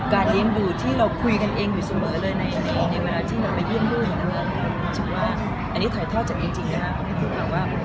การเลียนบุที่เราคุยกันเองอยู่เสมอเลยในเวลาที่เราไปเยี่ยมรูปกับเพื่อนอันนี้ถ่ายท่อจากจริงนะครับ